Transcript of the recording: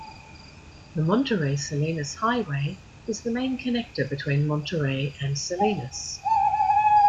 The Monterey-Salinas Highway is the main connector between Monterey and Salinas.